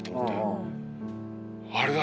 あれだ。